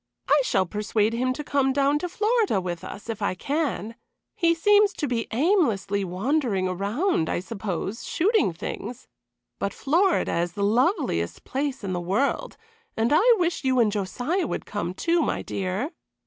I shall persuade him to come down to Florida with us, if I can. He seems to be aimlessly wandering round, I suppose, shooting things; but Florida is the loveliest place in the world, and I wish you and Josiah would come, too, my dear."